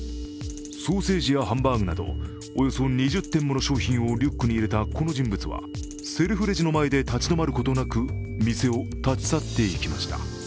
ソーセージやハンバーグなどおよそ２０点もの商品をリュックに入れたこの人物はセルフレジの前で立ち止まることなく、店を立ち去っていきました。